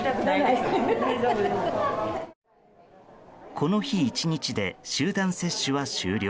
この日１日で集団接種は終了。